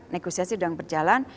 negosiasi sedang berjalan